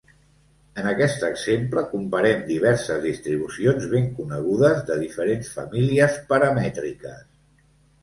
En aquest exemple, comparem diverses distribucions ben conegudes de diferents famílies paramètriques.